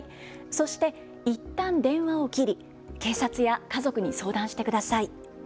そして、いったん電話を切り警察や家族に相談してください。